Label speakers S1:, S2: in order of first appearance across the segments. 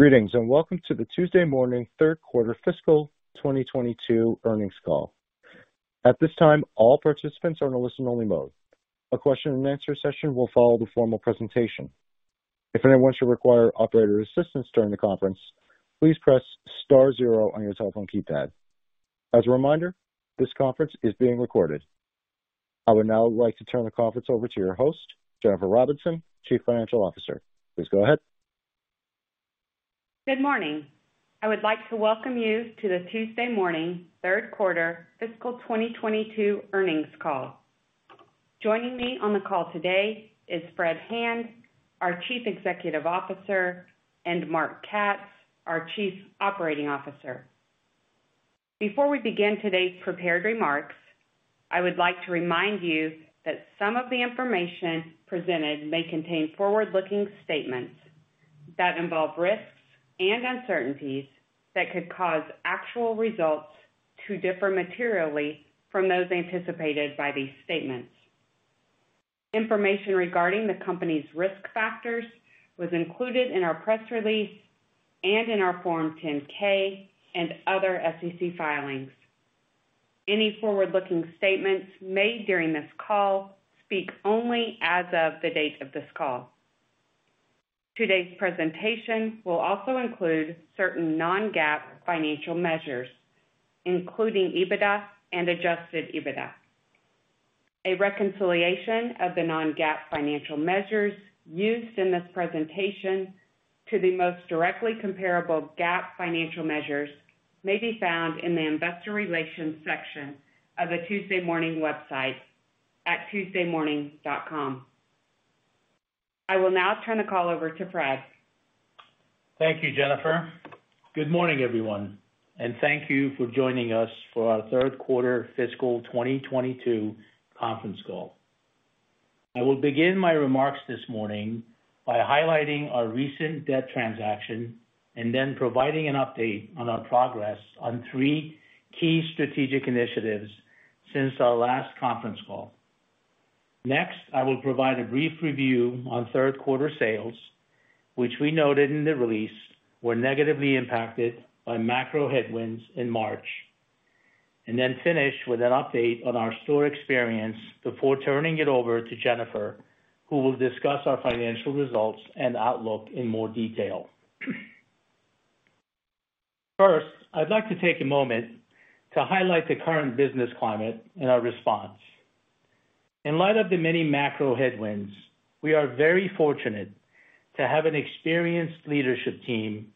S1: Greetings, and welcome to the Tuesday Morning third quarter fiscal 2022 earnings call. At this time, all participants are in a listen only mode. A question and answer session will follow the formal presentation. If anyone should require operator assistance during the conference, please press star zero on your telephone keypad. As a reminder, this conference is being recorded. I would now like to turn the conference over to your host, Jennifer Robinson, Chief Financial Officer. Please go ahead.
S2: Good morning. I would like to welcome you to the Tuesday Morning third quarter fiscal 2022 earnings call. Joining me on the call today is Fred Hand, our Chief Executive Officer, and Marc Katz, our Chief Operating Officer. Before we begin today's prepared remarks, I would like to remind you that some of the information presented may contain forward-looking statements that involve risks and uncertainties that could cause actual results to differ materially from those anticipated by these statements. Information regarding the company's risk factors was included in our press release and in our Form 10-K and other SEC filings. Any forward-looking statements made during this call speak only as of the date of this call. Today's presentation will also include certain non-GAAP financial measures, including EBITDA and adjusted EBITDA. A reconciliation of the non-GAAP financial measures used in this presentation to the most directly comparable GAAP financial measures may be found in the investor relations section of the Tuesday Morning website at tuesdaymorning.com. I will now turn the call over to Fred.
S3: Thank you, Jennifer. Good morning, everyone, and thank you for joining us for our third quarter fiscal 2022 conference call. I will begin my remarks this morning by highlighting our recent debt transaction and then providing an update on our progress on three key strategic initiatives since our last conference call. Next, I will provide a brief review on third quarter sales, which we noted in the release were negatively impacted by macro headwinds in March, and then finish with an update on our store experience before turning it over to Jennifer, who will discuss our financial results and outlook in more detail. First, I'd like to take a moment to highlight the current business climate and our response. In light of the many macro headwinds, we are very fortunate to have an experienced leadership team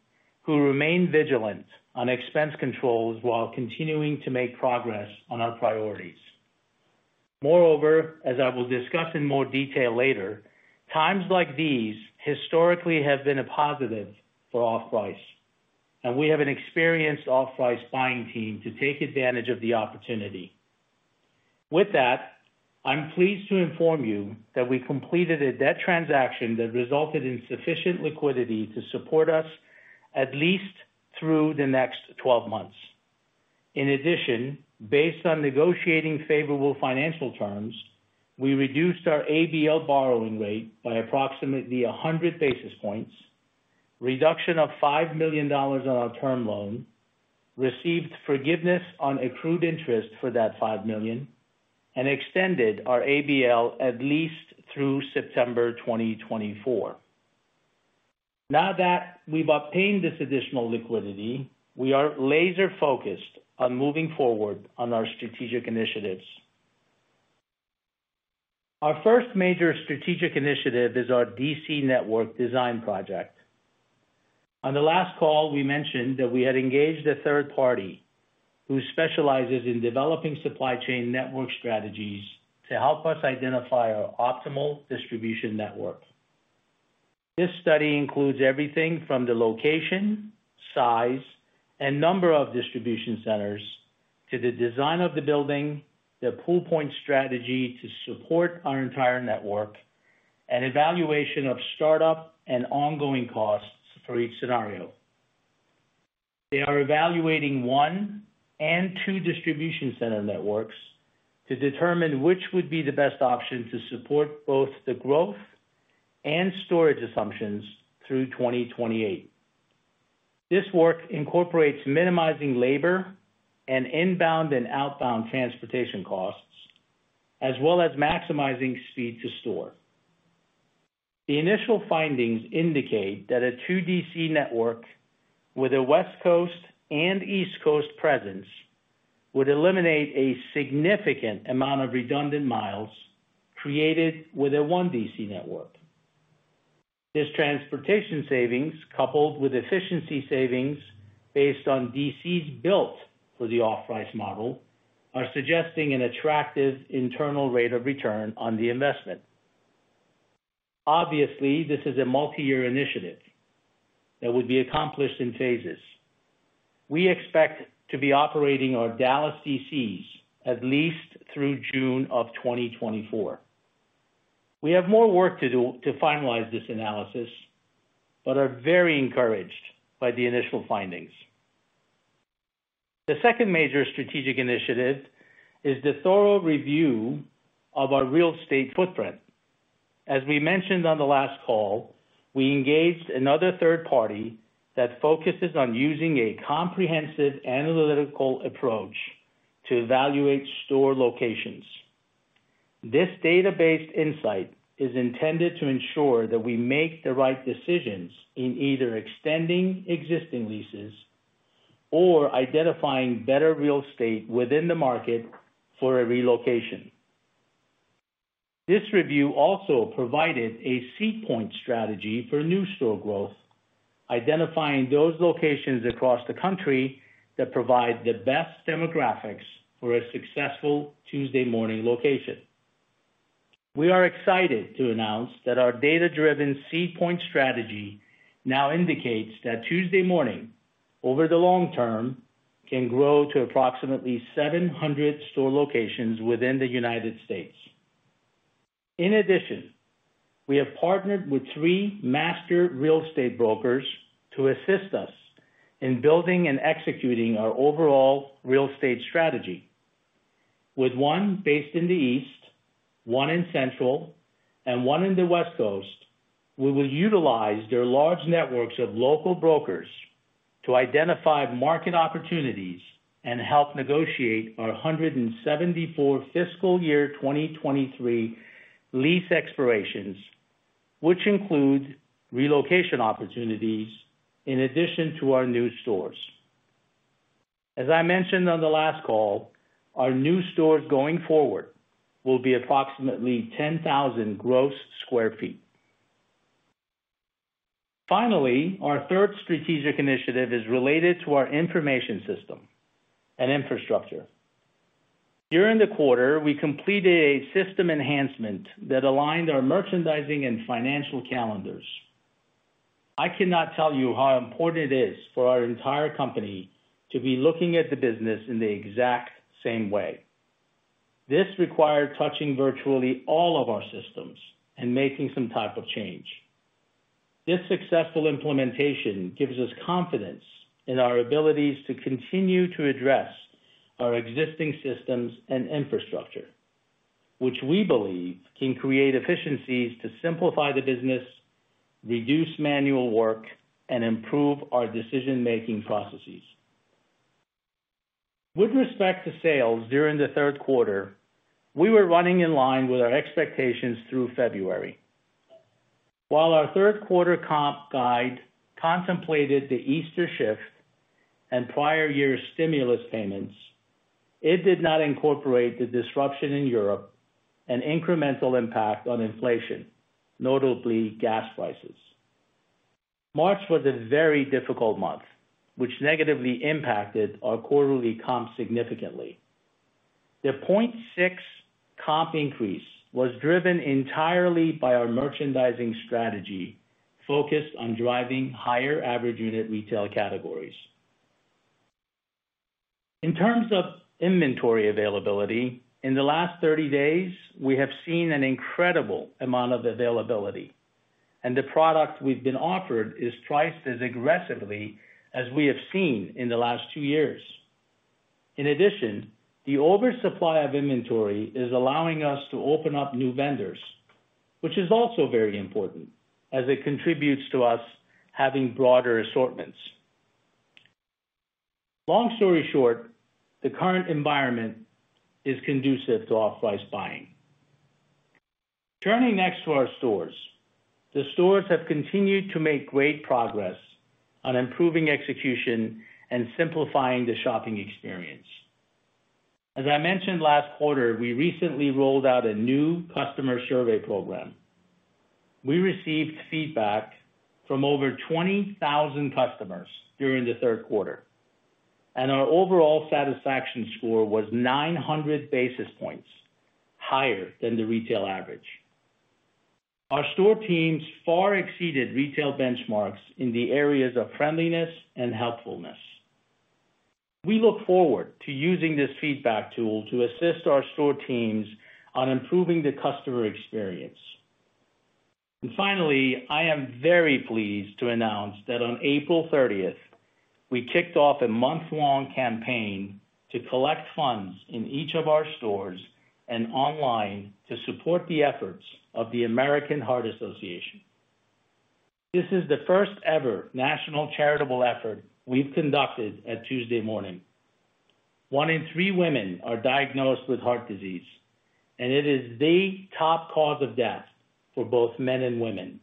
S3: who remain vigilant on expense controls while continuing to make progress on our priorities. Moreover, as I will discuss in more detail later, times like these historically have been a positive for off-price, and we have an experienced off-price buying team to take advantage of the opportunity. With that, I'm pleased to inform you that we completed a debt transaction that resulted in sufficient liquidity to support us at least through the next 12 months. In addition, based on negotiating favorable financial terms, we reduced our ABL borrowing rate by approximately 100 basis points, reduction of $5 million on our term loan, received forgiveness on accrued interest for that $5 million, and extended our ABL at least through September 2024. Now that we've obtained this additional liquidity, we are laser focused on moving forward on our strategic initiatives. Our first major strategic initiative is our DC network design project. On the last call, we mentioned that we had engaged a third party who specializes in developing supply chain network strategies to help us identify our optimal distribution network. This study includes everything from the location, size, and number of distribution centers to the design of the building, the seed point strategy to support our entire network, and evaluation of startup and ongoing costs for each scenario. They are evaluating one and two distribution center networks to determine which would be the best option to support both the growth and storage assumptions through 2028. This work incorporates minimizing labor and inbound and outbound transportation costs, as well as maximizing speed to store. The initial findings indicate that a two DC network with a West Coast and East Coast presence would eliminate a significant amount of redundant miles created with a one DC network. This transportation savings, coupled with efficiency savings based on DCs built for the off-price model, are suggesting an attractive internal rate of return on the investment. Obviously, this is a multi-year initiative that will be accomplished in phases. We expect to be operating our Dallas DCs at least through June of 2024. We have more work to do to finalize this analysis, but are very encouraged by the initial findings. The second major strategic initiative is the thorough review of our real estate footprint. As we mentioned on the last call, we engaged another third party that focuses on using a comprehensive analytical approach to evaluate store locations. This data-based insight is intended to ensure that we make the right decisions in either extending existing leases or identifying better real estate within the market for a relocation. This review also provided a seed point strategy for new store growth, identifying those locations across the country that provide the best demographics for a successful Tuesday Morning location. We are excited to announce that our data-driven seed point strategy now indicates that Tuesday Morning, over the long term, can grow to approximately 700 store locations within the United States. In addition, we have partnered with three master real estate brokers to assist us in building and executing our overall real estate strategy. With one based in the East, one in Central, and one in the West Coast, we will utilize their large networks of local brokers to identify market opportunities and help negotiate our 174 fiscal year 2023 lease expirations, which include relocation opportunities in addition to our new stores. As I mentioned on the last call, our new stores going forward will be approximately 10,000 gross sq ft. Finally, our third strategic initiative is related to our information system and infrastructure. During the quarter, we completed a system enhancement that aligned our merchandising and financial calendars. I cannot tell you how important it is for our entire company to be looking at the business in the exact same way. This required touching virtually all of our systems and making some type of change. This successful implementation gives us confidence in our abilities to continue to address our existing systems and infrastructure, which we believe can create efficiencies to simplify the business, reduce manual work, and improve our decision-making processes. With respect to sales during the third quarter, we were running in line with our expectations through February. While our third quarter comp guide contemplated the Easter shift and prior year stimulus payments, it did not incorporate the disruption in Europe and incremental impact on inflation, notably gas prices. March was a very difficult month, which negatively impacted our quarterly comp significantly. The 0.6% comp increase was driven entirely by our merchandising strategy focused on driving higher average unit retail categories. In terms of inventory availability, in the last 30 days, we have seen an incredible amount of availability, and the product we've been offered is priced twice as aggressively as we have seen in the last two years. In addition, the oversupply of inventory is allowing us to open up new vendors, which is also very important as it contributes to us having broader assortments. Long story short, the current environment is conducive to off-price buying. Turning next to our stores. The stores have continued to make great progress on improving execution and simplifying the shopping experience. As I mentioned last quarter, we recently rolled out a new customer survey program. We received feedback from over 20,000 customers during the third quarter, and our overall satisfaction score was 900 basis points higher than the retail average. Our store teams far exceeded retail benchmarks in the areas of friendliness and helpfulness. We look forward to using this feedback tool to assist our store teams on improving the customer experience. Finally, I am very pleased to announce that on April thirtieth, we kicked off a month-long campaign to collect funds in each of our stores and online to support the efforts of the American Heart Association. This is the first ever national charitable effort we've conducted at Tuesday Morning. One in three women are diagnosed with heart disease, and it is the top cause of death for both men and women.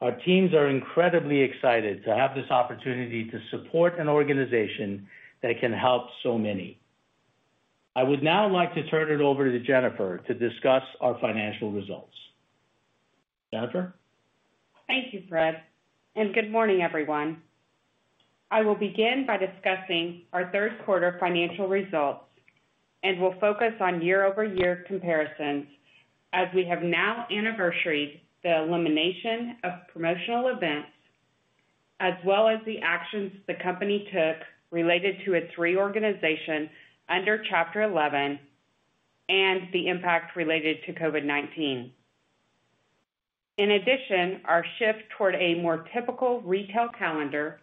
S3: Our teams are incredibly excited to have this opportunity to support an organization that can help so many. I would now like to turn it over to Jennifer to discuss our financial results. Jennifer.
S2: Thank you, Fred, and good morning, everyone. I will begin by discussing our third quarter financial results and will focus on year-over-year comparisons as we have now anniversaried the elimination of promotional events, as well as the actions the company took related to its reorganization under Chapter 11 and the impact related to COVID-19. In addition, our shift toward a more typical retail calendar,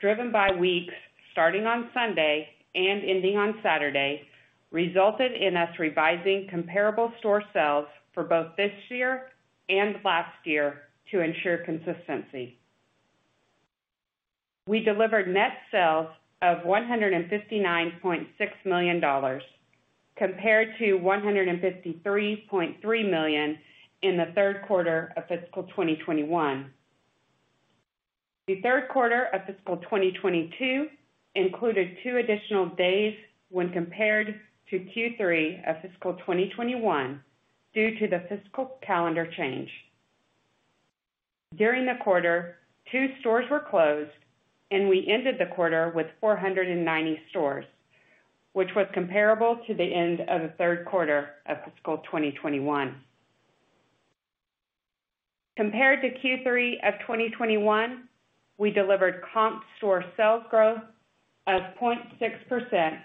S2: driven by weeks starting on Sunday and ending on Saturday, resulted in us revising comparable store sales for both this year and last year to ensure consistency. We delivered net sales of $159.6 million compared to $153.3 million in the third quarter of fiscal 2021. The third quarter of fiscal 2022 included two additional days when compared to Q3 of fiscal 2021 due to the fiscal calendar change. During the quarter, two stores were closed, and we ended the quarter with 490 stores, which was comparable to the end of the third quarter of fiscal 2021. Compared to Q3 of 2021, we delivered comp store sales growth of 0.6%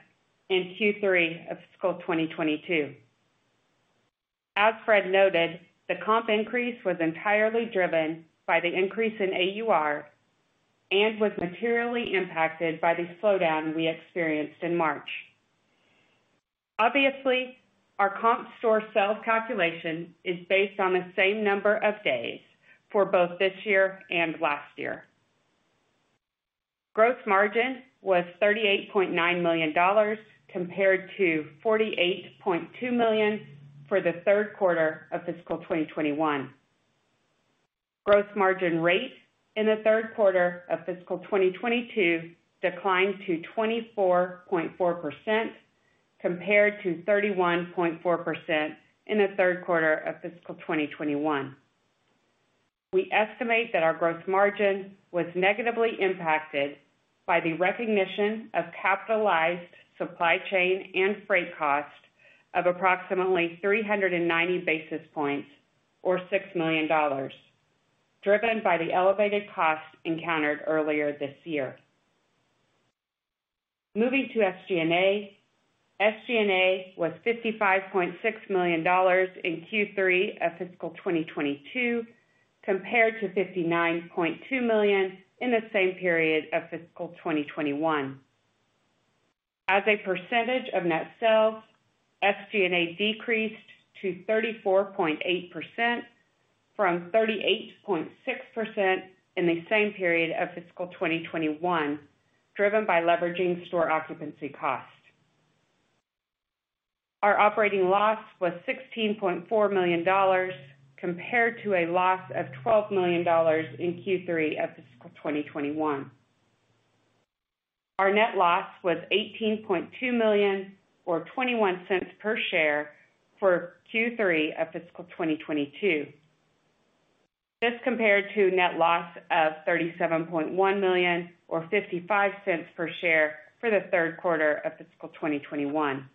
S2: in Q3 of fiscal 2022. As Fred noted, the comp increase was entirely driven by the increase in AUR and was materially impacted by the slowdown we experienced in March. Obviously, our comp store sales calculation is based on the same number of days for both this year and last year. Gross margin was $38.9 million compared to $48.2 million for the third quarter of fiscal 2021. Gross margin rate in the third quarter of fiscal 2022 declined to 24.4% compared to 31.4% in the third quarter of fiscal 2021. We estimate that our gross margin was negatively impacted by the recognition of capitalized supply chain and freight cost of approximately 390 basis points or $6 million, driven by the elevated costs encountered earlier this year. Moving to SG&A. SG&A was $55.6 million in Q3 of fiscal 2022 compared to $59.2 million in the same period of fiscal 2021. As a percentage of net sales, SG&A decreased to 34.8% from 38.6% in the same period of fiscal 2021, driven by leveraging store occupancy cost. Our operating loss was $16.4 million compared to a loss of $12 million in Q3 of fiscal 2021. Our net loss was $18.2 million or $0.21 per share for Q3 of fiscal 2022. This compared to net loss of $37.1 million or $0.55 per share for the third quarter of fiscal 2021.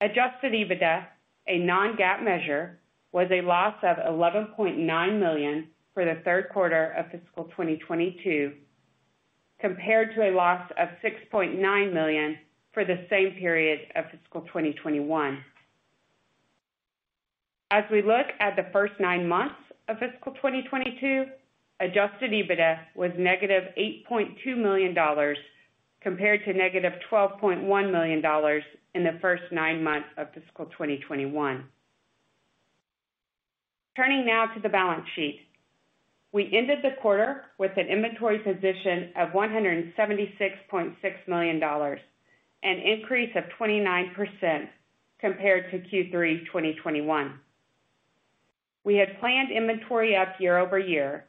S2: Adjusted EBITDA, a non-GAAP measure, was a loss of $11.9 million for the third quarter of fiscal 2022 compared to a loss of $6.9 million for the same period of fiscal 2021. As we look at the first nine months of fiscal 2022, adjusted EBITDA was negative $8.2 million compared to negative $12.1 million in the first nine months of fiscal 2021. Turning now to the balance sheet. We ended the quarter with an inventory position of $176.6 million, an increase of 29% compared to Q3 2021. We had planned inventory up year-over-year.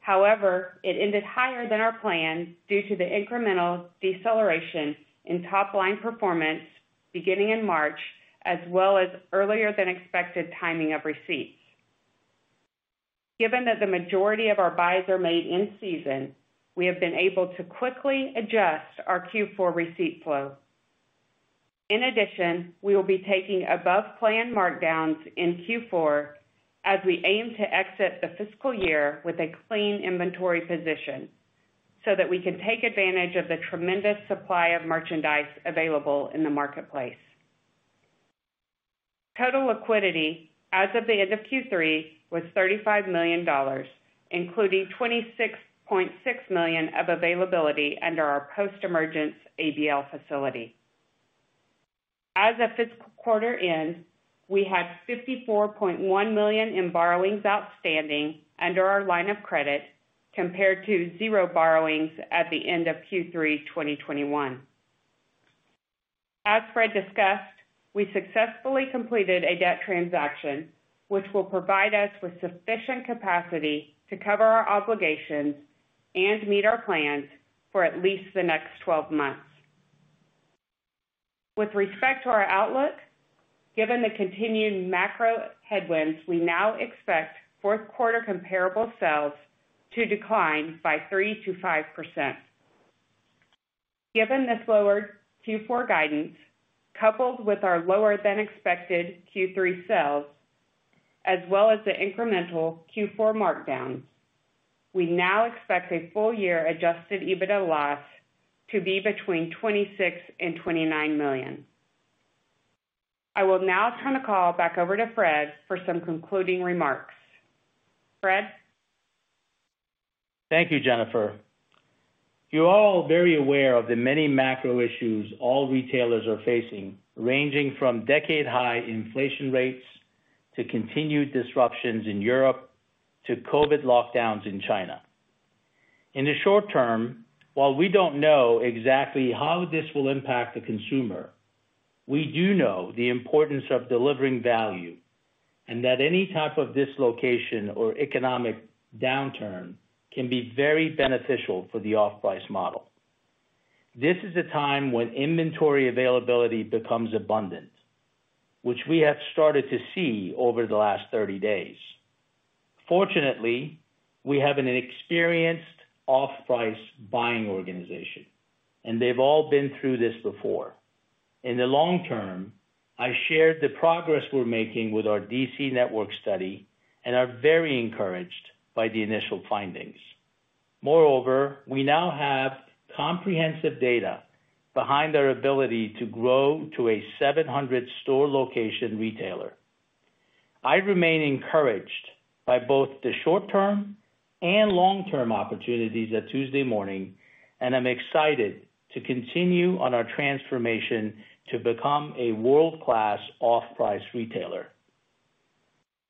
S2: However, it ended higher than our plan due to the incremental deceleration in top line performance beginning in March, as well as earlier than expected timing of receipts. Given that the majority of our buys are made in season, we have been able to quickly adjust our Q4 receipt flow. In addition, we will be taking above plan markdowns in Q4 as we aim to exit the fiscal year with a clean inventory position so that we can take advantage of the tremendous supply of merchandise available in the marketplace. Total liquidity as of the end of Q3 was $35 million, including $26.6 million of availability under our post emergence ABL facility. As the fiscal quarter ends, we had $54.1 million in borrowings outstanding under our line of credit compared to zero borrowings at the end of Q3 2021. As Fred discussed, we successfully completed a debt transaction which will provide us with sufficient capacity to cover our obligations and meet our plans for at least the next 12 months. With respect to our outlook, given the continued macro headwinds, we now expect fourth quarter comparable sales to decline by 3%-5%. Given this lower Q4 guidance, coupled with our lower than expected Q3 sales, as well as the incremental Q4 markdowns. We now expect a full year adjusted EBITDA loss to be between $26 million and $29 million. I will now turn the call back over to Fred for some concluding remarks. Fred?
S3: Thank you, Jennifer. You're all very aware of the many macro issues all retailers are facing, ranging from decade high inflation rates to continued disruptions in Europe to COVID lockdowns in China. In the short term, while we don't know exactly how this will impact the consumer, we do know the importance of delivering value and that any type of dislocation or economic downturn can be very beneficial for the off-price model. This is a time when inventory availability becomes abundant, which we have started to see over the last 30 days. Fortunately, we have an experienced off-price buying organization, and they've all been through this before. In the long term, I shared the progress we're making with our DC network study and are very encouraged by the initial findings. Moreover, we now have comprehensive data behind our ability to grow to a 700-store location retailer. I remain encouraged by both the short term and long-term opportunities at Tuesday Morning, and I'm excited to continue on our transformation to become a world-class off-price retailer.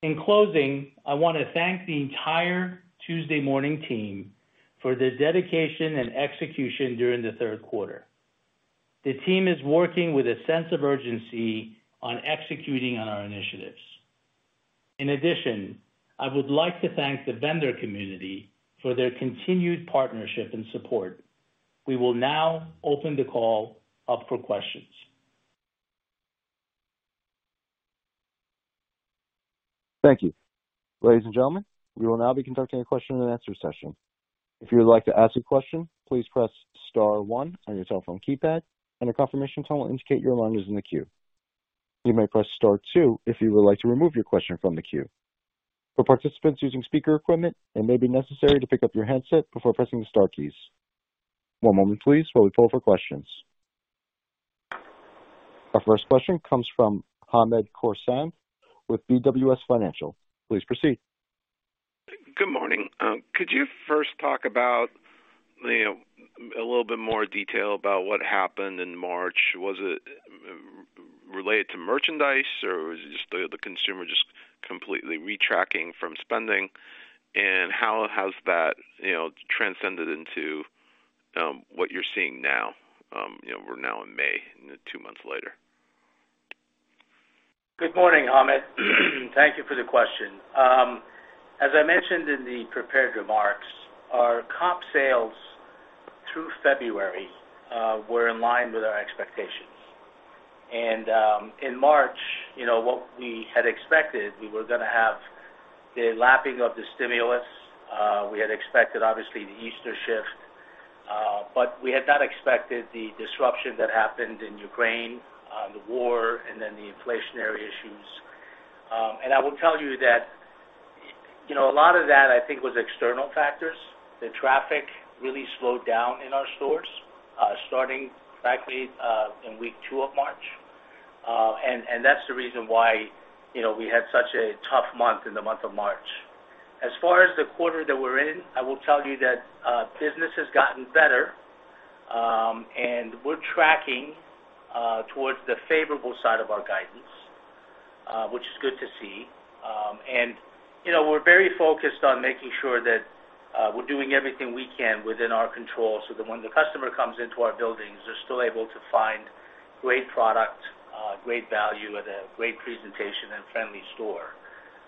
S3: In closing, I wanna thank the entire Tuesday Morning team for their dedication and execution during the third quarter. The team is working with a sense of urgency on executing on our initiatives. In addition, I would like to thank the vendor community for their continued partnership and support. We will now open the call up for questions.
S1: Thank you. Ladies and gentlemen, we will now be conducting a question and answer session. If you would like to ask a question, please press star one on your telephone keypad and a confirmation tone will indicate your line is in the queue. You may press star two if you would like to remove your question from the queue. For participants using speaker equipment, it may be necessary to pick up your handset before pressing the star keys. One moment please, while we pull for questions. Our first question comes from Hamed Khorsand with BWS Financial. Please proceed.
S4: Good morning. Could you first talk about, you know, a little bit more detail about what happened in March? Was it related to merchandise, or was it just the consumer just completely retracting from spending? How has that transcended into what you're seeing now? We're now in May, two months later.
S3: Good morning, Hamed. Thank you for the question. As I mentioned in the prepared remarks, our comp sales through February were in line with our expectations. In March, what we had expected, we were gonna have the lapping of the stimulus. We had expected, obviously, the Easter shift, but we had not expected the disruption that happened in Ukraine, the war and then the inflationary issues. I will tell you that a lot of that, I think was external factors. The traffic really slowed down in our stores, starting practically, in week two of March. And that's the reason why we had such a tough month in the month of March. As far as the quarter that we're in, I will tell you that business has gotten better, and we're tracking towards the favorable side of our guidance, which is good to see. We're very focused on making sure that we're doing everything we can within our control so that when the customer comes into our buildings, they're still able to find great product, great value with a great presentation and friendly store.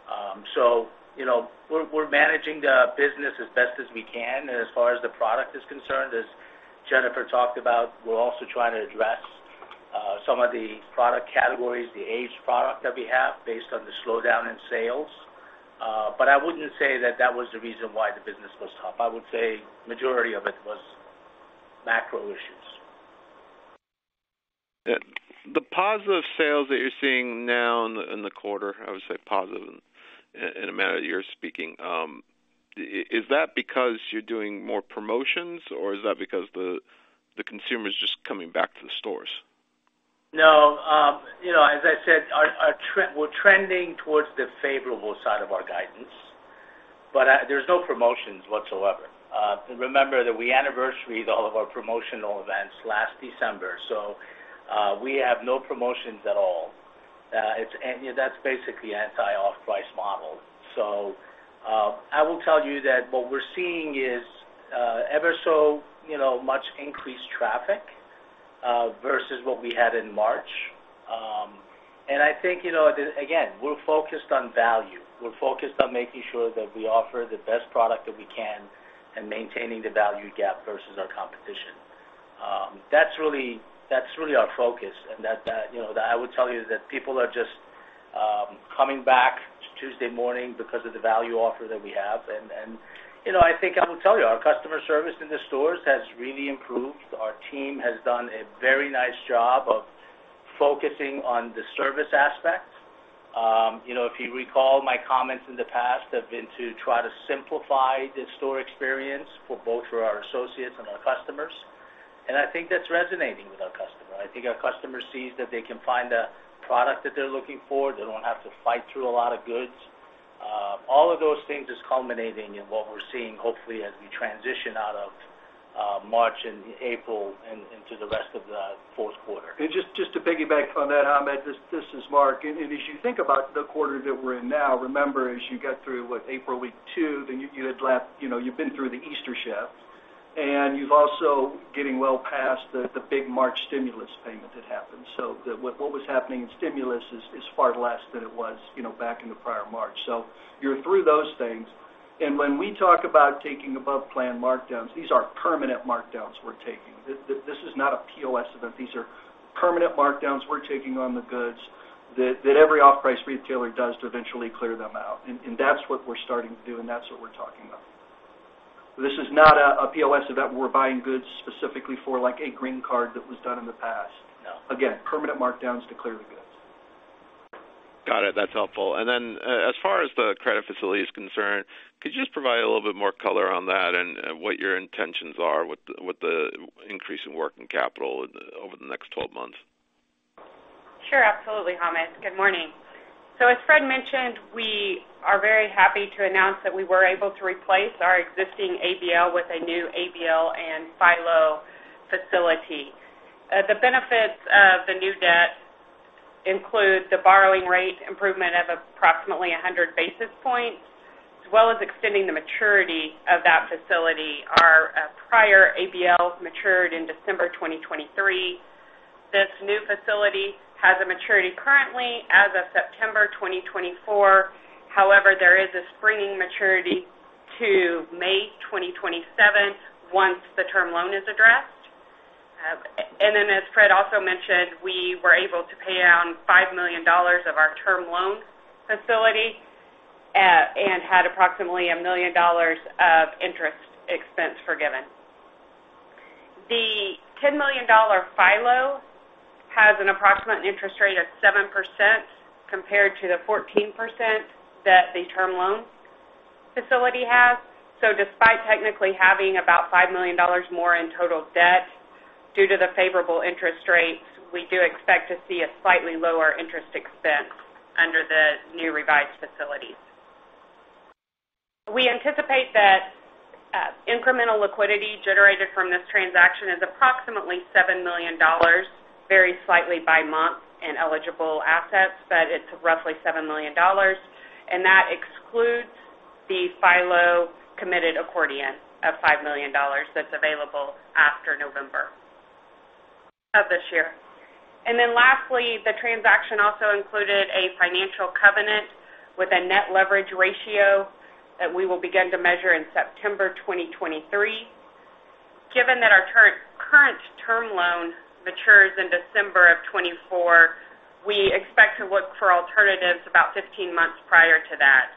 S3: We're managing the business as best as we can. As far as the product is concerned, as Jennifer talked about, we're also trying to address some of the product categories, the aged product that we have based on the slowdown in sales. I wouldn't say that was the reason why the business was tough. I would say majority of it was macro issues.
S4: The positive sales that you're seeing now in the quarter, I would say positive in the manner you're speaking, is that because you're doing more promotions or is that because the consumer is just coming back to the stores?
S3: No as I said, we're trending towards the favorable side of our guidance, but there's no promotions whatsoever. Remember that we anniversaried all of our promotional events last December, so we have no promotions at all. That's basically our off-price model. I will tell you that what we're seeing is ever so much increased traffic versus what we had in March. I think again, we're focused on value. We're focused on making sure that we offer the best product that we can and maintaining the value gap versus our competition. That's really our focus. That I would tell you that people are just coming back to Tuesday Morning because of the value offer that we have. I think I will tell you, our customer service in the stores has really improved. Our team has done a very nice job of focusing on the service aspect. you know, if you recall, my comments in the past have been to try to simplify the store experience for both our associates and our customers. I think that's resonating with our customer. I think our customer sees that they can find the product that they're looking for. They don't have to fight through a lot of goods. All of those things is culminating in what we're seeing, hopefully, as we transition out of March and April and into the rest of the fourth quarter.
S5: Just to piggyback on that, Hamed, this is Marc. As you think about the quarter that we're in now, remember, as you get through April week two, then you know, you've been through the Easter shift, and you're also getting well past the big March stimulus payment that happened. So what was happening in stimulus is far less than it was, you know, back in the prior March. You're through those things. When we talk about taking above plan markdowns, these are permanent markdowns we're taking. This is not a POS event. These are permanent markdowns we're taking on the goods that every off-price retailer does to eventually clear them out. That's what we're starting to do, and that's what we're talking about. This is not a POS event where we're buying goods specifically for like a green tag that was done in the past.
S3: No.
S5: Again, permanent markdowns to clear the goods.
S4: Got it. That's helpful. As far as the credit facility is concerned, could you just provide a little bit more color on that and what your intentions are with the increase in working capital over the next twelve months?
S2: Sure. Absolutely, Hamed. Good morning. As Fred mentioned, we are very happy to announce that we were able to replace our existing ABL with a new ABL and FILO facility. The benefits of the new debt include the borrowing rate improvement of approximately 100 basis points, as well as extending the maturity of that facility. Our prior ABL matured in December 2023. This new facility has a maturity currently as of September 2024. However, there is a springing maturity to May 2027 once the term loan is addressed. And then as Fred also mentioned, we were able to pay down $5 million of our term loan facility, and had approximately $1 million of interest expense forgiven. The $10 million FILO has an approximate interest rate of 7% compared to the 14% that the term loan facility has. Despite technically having about $5 million more in total debt, due to the favorable interest rates, we do expect to see a slightly lower interest expense under the new revised facilities. We anticipate that incremental liquidity generated from this transaction is approximately $7 million, varies slightly by month and eligible assets, but it's roughly $7 million. And that excludes the FILO committed accordion of $5 million that's available after November of this year. Lastly, the transaction also included a financial covenant with a net leverage ratio that we will begin to measure in September 2023. Given that our current term loan matures in December of 2024, we expect to look for alternatives about 15 months prior to that.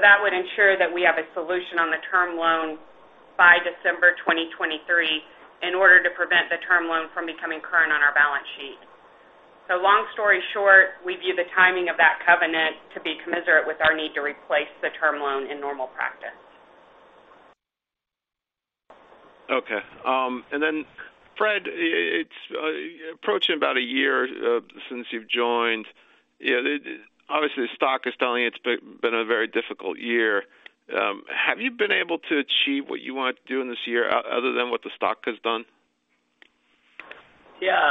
S2: That would ensure that we have a solution on the term loan by December 2023 in order to prevent the term loan from becoming current on our balance sheet. Long story short, we view the timing of that covenant to be commensurate with our need to replace the term loan in normal practice.
S4: Okay. Fred, it's approaching about a year since you've joined. Obviously, the stock is telling you it's been a very difficult year. Have you been able to achieve what you want to do in this year other than what the stock has done?
S3: Yeah.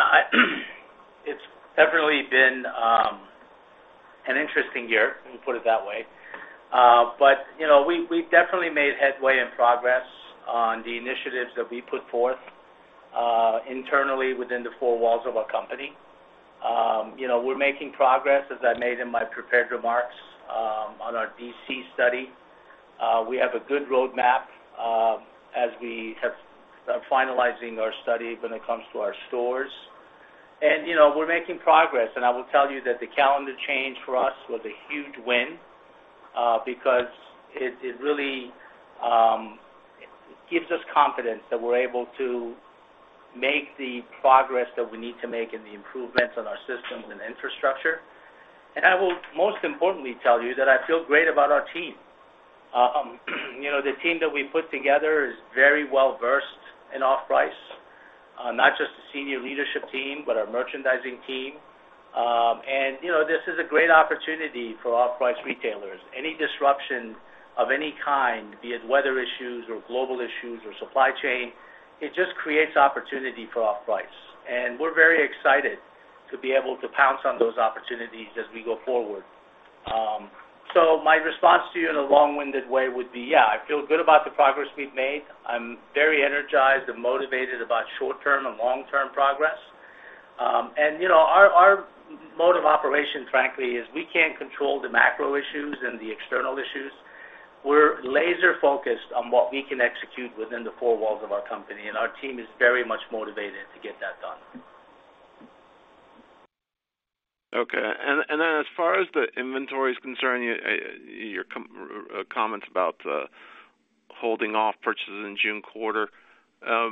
S3: It's definitely been an interesting year, let me put it that way. You know, we've definitely made headway and progress on the initiatives that we put forth internally within the four walls of our company. You know, we're making progress, as I made in my prepared remarks on our DC study. We have a good roadmap as we are finalizing our study when it comes to our stores. We're making progress. I will tell you that the calendar change for us was a huge win because it really gives us confidence that we're able to make the progress that we need to make and the improvements on our systems and infrastructure. I will most importantly tell you that I feel great about our team. The team that we put together is very well-versed in off-price, not just the senior leadership team, but our merchandising team. This is a great opportunity for off-price retailers. Any disruption of any kind, be it weather issues or global issues or supply chain, it just creates opportunity for off-price. We're very excited to be able to pounce on those opportunities as we go forward. My response to you in a long-winded way would be, yeah, I feel good about the progress we've made. I'm very energized and motivated about short-term and long-term progress. Our mode of operation, frankly, is we can't control the macro issues and the external issues. We're laser focused on what we can execute within the four walls of our company, and our team is very much motivated to get that done.
S4: Okay. As far as the inventory is concerned, your comments about holding off purchases in June quarter. How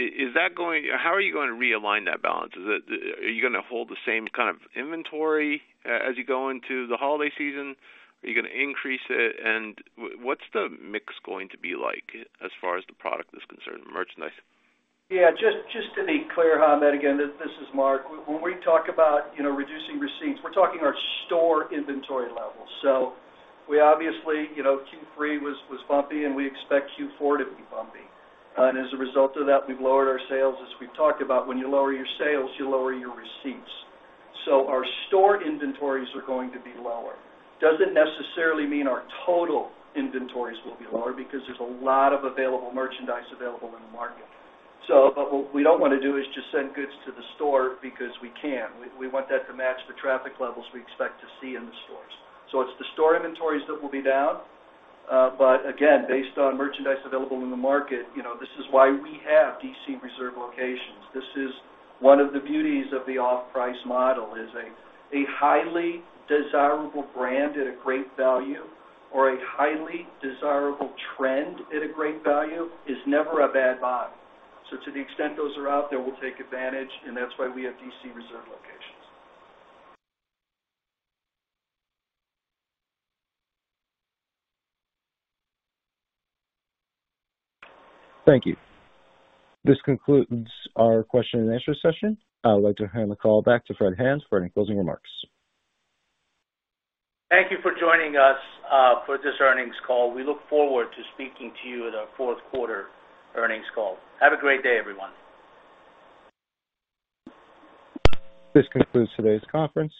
S4: are you going to realign that balance? Are you gonna hold the same kind of inventory as you go into the holiday season? Are you gonna increase it? And what's the mix going to be like as far as the product is concerned, the merchandise?
S5: Yeah, just to be clear on that, again, this is Marc. When we talk about, you know, reducing receipts, we're talking our store inventory levels. We obviously Q3 was bumpy, and we expect Q4 to be bumpy. As a result of that, we've lowered our sales. As we've talked about, when you lower your sales, you lower your receipts. Our store inventories are going to be lower. Doesn't necessarily mean our total inventories will be lower because there's a lot of available merchandise available in the market. What we don't wanna do is just send goods to the store because we can. We want that to match the traffic levels we expect to see in the stores. It's the store inventories that will be down. Again, based on merchandise available in the market, you know, this is why we have DC reserve locations. This is one of the beauties of the off-price model is a highly desirable brand at a great value or a highly desirable trend at a great value is never a bad buy. To the extent those are out there, we'll take advantage, and that's why we have DC reserve locations.
S4: Thank you.
S1: This concludes our question and answer session. I'd like to hand the call back to Fred Hand for any closing remarks.
S3: Thank you for joining us, for this earnings call. We look forward to speaking to you at our fourth quarter earnings call. Have a great day, everyone.
S1: This concludes today's conference.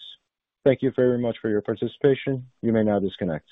S1: Thank you very much for your participation. You may now disconnect.